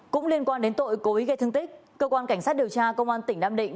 cũng liên quan đến tội cố ý gây thương tích cơ quan cảnh sát điều tra công an tỉnh nam định